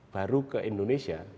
baru ke indonesia